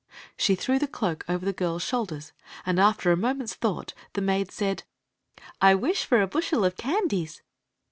She threw the cloak over the girls shoulders, and after a moment's thought the maid said; " I wish for a bushel of candies."